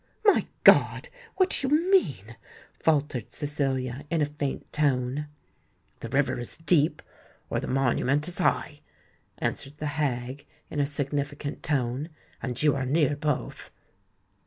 "My God! what do you mean?" faltered Cecilia, in a faint tone. "The river is deep, or the Monument is high," answered the hag, in a significant tone; "and you are near both!"